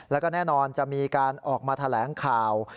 แล้วก็แน่นอนจะมีการออกมาแถลงข่าว